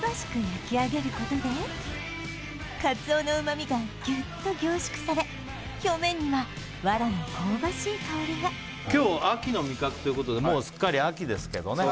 焼き上げることでカツオの旨味がギュッと凝縮され表面には藁の香ばしい香りが今日秋の味覚ということでもうすっかり秋ですけどね